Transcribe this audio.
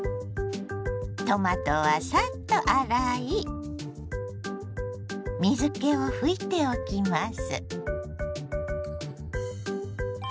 トマトはサッと洗い水けを拭いておきます。